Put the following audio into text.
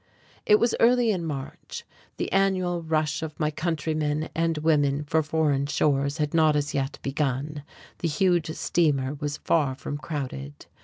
It was early in March. The annual rush of my countrymen and women for foreign shores had not as yet begun, the huge steamer was far from crowded.